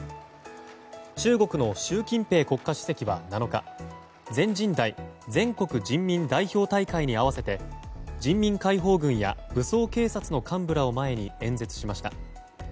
中国の習近平国家主席は７日全人代・全国人民代表大会に合わせて人民解放軍や武装警察の幹部らを前に、演説しました。